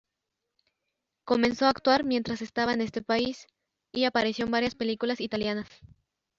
Comenzó a actuar mientras estaba en este país, y apareció en varias películas italianas.